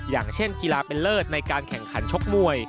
อย่างเช่นกีฬาเป็นเลิศในการแข่งขันชกมวย